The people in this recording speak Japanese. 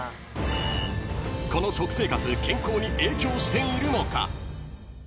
［この食生活健康に影響しているのか？］